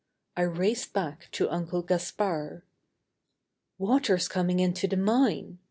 I raced back to Uncle Gaspard. "Water's coming into the mine!"